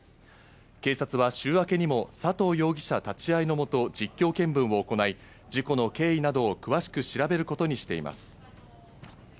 警察は週明けにも佐藤容疑者立ち会いのもと実況見分を行い、事故の経緯などを詳しく調べることにしています。